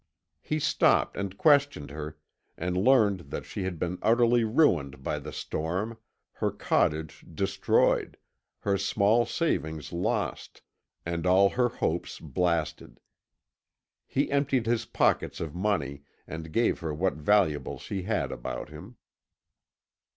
He stopped and questioned her, and learned that she had been utterly ruined by the storm, her cottage destroyed, her small savings lost, and all her hopes blasted. He emptied his pockets of money, and gave her what valuables he had about him.